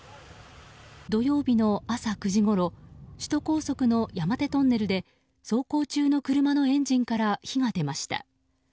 土曜日の朝９時ごろ首都高速の山手トンネルで走行中の車のエンジンから火が出ました。